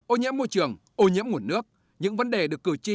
ô nhiễm môi trường ô nhiễm nguồn nước những vấn đề được cử tri